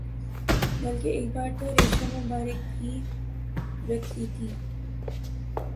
بلکہ ایک بار تو ریشہ مبارک بھی رکھ لی تھی